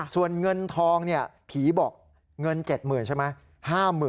ส่วนเงินทองผีบอกเงิน๗๐๐๐ใช่ไหม